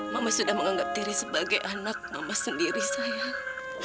mama sudah menganggap diri sebagai anak mama sendiri sayang